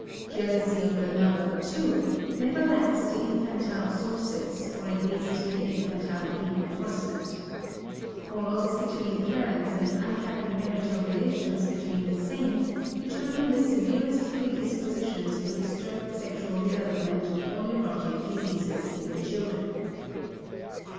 Jealousy of the lover, too, never lacks the infantile sources or at least the infantile reinforcement. Quarrels between parents and unhappy marital relations between the same determine the severest predispositions for disturbed sexual development or neurotic diseases in the children.